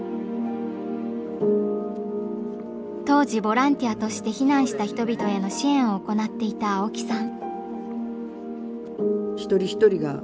当時ボランティアとして避難した人々への支援を行っていた青木さん。